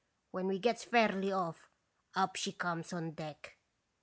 When we gets fairly off up she comes on deck.